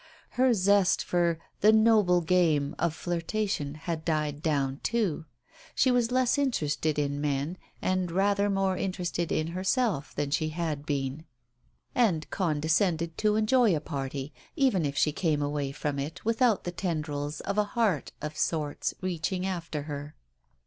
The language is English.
Her zest for "the noble game" of flirtation had died down, too. She was less interested in men, and rather more interested in herself than she had been, and con Digitized by Google THE TELEGRAM u descended to enjoy a party, even if she came away from it without the tendrils of a heart of sorts reaching after her.